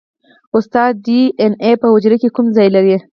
استاده ډي این اې په حجره کې کوم ځای لري